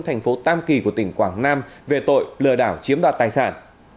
thành phố tam kỳ của tỉnh quảng nam về tội lừa đảo chiếm đoạt tài sản